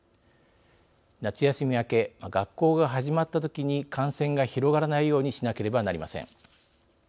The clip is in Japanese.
夏休み明け学校が始まったときに感染が広がらないようにしなければなりません。